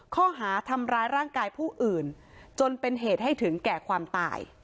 ข้อหาทำร้ายร่างกายผู้อื่นจนเป็นเหตุให้ถึงแก่ความตาย